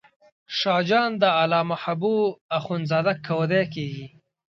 شاه جان د علامه حبو اخند زاده کودی کېږي.